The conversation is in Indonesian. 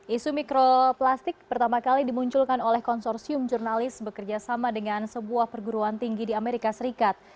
isu mikroplastik pertama kali dimunculkan oleh konsorsium jurnalis bekerja sama dengan sebuah perguruan tinggi di amerika serikat